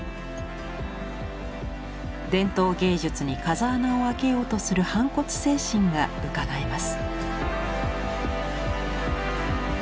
伝統芸術に風穴を開けようとする反骨精神がうかがえます。